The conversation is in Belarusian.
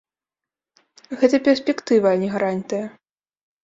Гэта перспектыва, а не гарантыя.